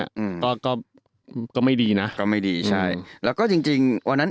อืมก็ก็ก็ไม่ดีนะก็ไม่ดีใช่แล้วก็จริงจริงวันนั้น